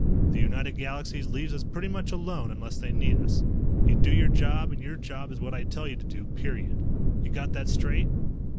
The United Galaxies leaves us pretty much alone unless they need us. You do your job, and your job is what I tell you to do, period. You got that straight?"